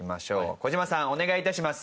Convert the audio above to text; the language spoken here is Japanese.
児嶋さんお願い致します。